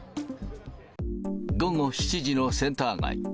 午後７時のセンター街。